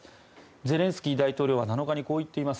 ゼレンスキー大統領は７日にこう言っています。